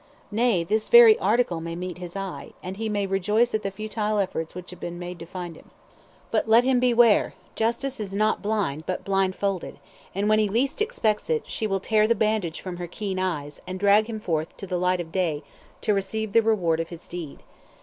Nay, this very article, may meet his eye, and he may rejoice at the futile efforts which have been made to find him. But let him beware, Justice is not blind, but blind folded, and when he least expects it, she will tear the bandage from her keen eyes, and drag him forth to the light of day to receive the reward of his deed.